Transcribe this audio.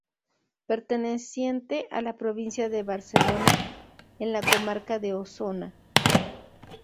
Perteneciente a la provincia de Barcelona, en la comarca de Osona.